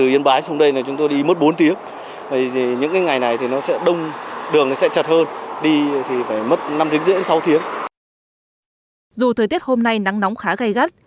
dù thời tiết hôm nay nắng nóng khá gây gắt